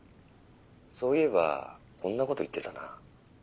そういえばこんなこと言ってたな。